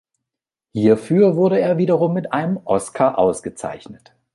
Hierfür wurde er wiederum mit einem Oscar ausgezeichnet.